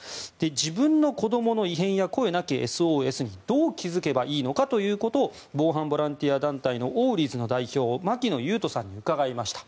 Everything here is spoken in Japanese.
自分の子どもの異変や声なきＳＯＳにどう気付けばいいのかということを防犯ボランティア団体のオウリーズの代表槙野悠人さんに伺いました。